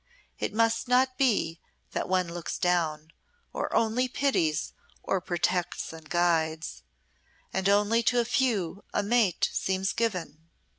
It must not be that one looks down, or only pities or protects and guides; and only to a few a mate seems given.